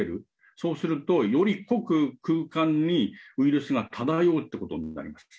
そうすると、より濃く空間にウイルスが漂うってことになります。